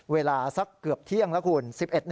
เวลาสักเกือบเที่ยงแล้วคุณ